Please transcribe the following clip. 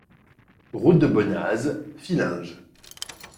Route de Bonnaz, Fillinges